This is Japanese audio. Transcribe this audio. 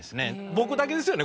僕だけですよね